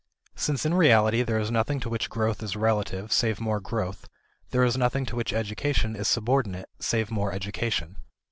Since in reality there is nothing to which growth is relative save more growth, there is nothing to which education is subordinate save more education.